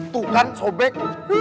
tuh kan sobek